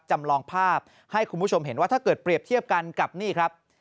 จำลองภาพให้คุณผู้ชมเห็นว่าถ้าเกิดเปรียบเทียบกันกับนี่ครับ